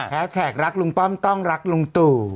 แพสต์แท็กรักลุงป้อมต้องรักลุงตู่